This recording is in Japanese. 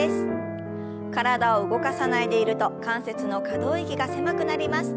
体を動かさないでいると関節の可動域が狭くなります。